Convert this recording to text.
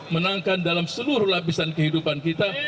menangkan dalam seluruh lapisan kehidupan kita